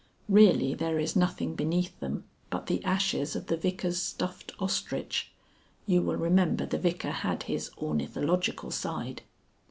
Really there is nothing beneath them but the ashes of the Vicar's stuffed ostrich. (You will remember the Vicar had his ornithological side.)